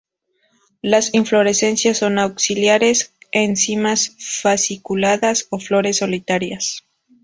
Las inflorescencias son axilares, en cimas fasciculadas, o flores solitarias.